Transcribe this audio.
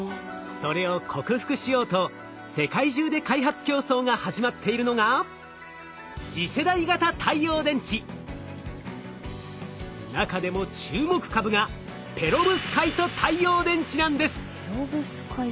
それを克服しようと世界中で開発競争が始まっているのが中でも注目株がペロブスカイト太陽電池。